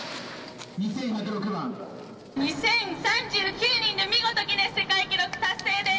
２０３９人で見事、ギネス世界記録達成です。